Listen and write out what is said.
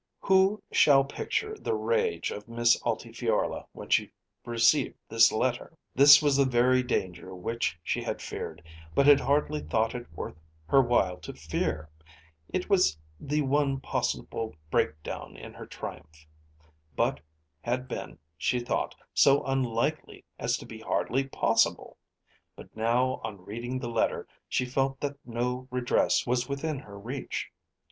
Who shall picture the rage of Miss Altifiorla when she received this letter? This was the very danger which she had feared, but had hardly thought it worth her while to fear. It was the one possible break down in her triumph; but had been, she thought, so unlikely as to be hardly possible. But now on reading the letter she felt that no redress was within her reach.